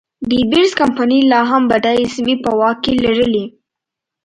ډي بیرز کمپنۍ لا هم بډایه سیمې په واک کې لرلې.